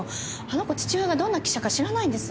あの子父親がどんな記者か知らないんです。